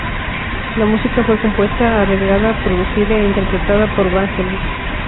La música fue compuesta, arreglada, producida e interpretada por Vangelis.